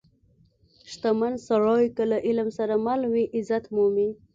• شتمن سړی که له علم سره مل وي، عزت مومي.